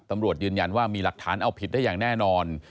ตำรวจยืนยันว่ามีหลักฐานเอาผิดได้อย่างแน่นอน